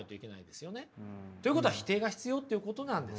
ということは否定が必要っていうことなんですよ。